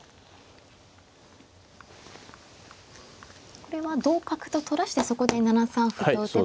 これは同角と取らしてそこで７三歩と打てば。